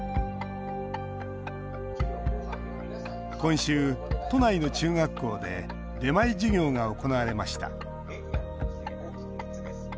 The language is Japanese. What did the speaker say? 今週、都内の中学校で出前授業が行われました。